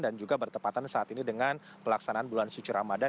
dan juga bertepatan saat ini dengan pelaksanaan bulan suci ramadhan